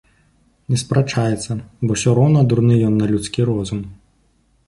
Не спрачаецца, бо ўсё роўна дурны ён на людскі розум.